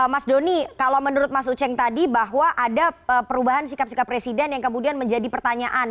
mas doni kalau menurut mas uceng tadi bahwa ada perubahan sikap sikap presiden yang kemudian menjadi pertanyaan